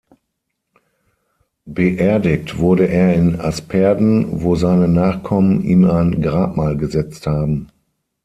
Beerdigt wurde er in Asperden, wo seine Nachkommen ihm ein Grabmal gesetzt haben.